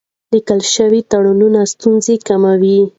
لیکل شوي تړونونه ستونزې کموي.